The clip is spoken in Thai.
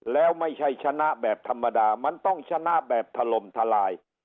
แล้วไม่ใช่ชนะแบบธรรมดามันต้องชนะแบบถล่มทลาย